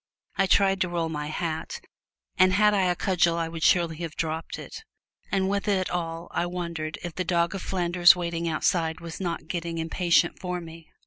I tried to roll my hat, and had I a cudgel I would surely have dropped it; and with it all I wondered if the dog of Flanders waiting outside was not getting impatient for me!